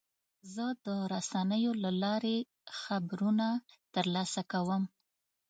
زه د رسنیو له لارې خبرونه ترلاسه کوم.